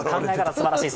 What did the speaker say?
すばらしい。